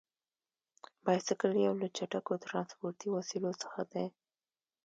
بایسکل یو له چټکو ترانسپورتي وسیلو څخه دی.